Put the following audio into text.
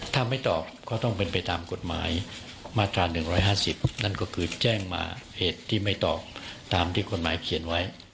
ถ้าไม่ตอบก็ต้องเป็นไปตามกฎหมายมาตรา๑๕๐นั่นก็คือแจ้งมาเหตุที่ไม่ตอบตามที่กฎหมายเขียนไว้